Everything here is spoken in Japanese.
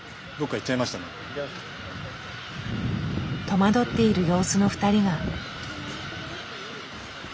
戸惑っている様子の２人が。